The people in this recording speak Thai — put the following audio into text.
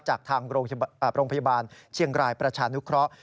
จากทางโรงพยาบาลเชียงรายประชานุเคราะห์